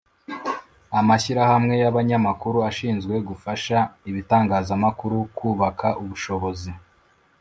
Amashyirahamwe y‘abanyamakuru ashinzwe gufasha ibitangazamakuru kubaka ubushobozi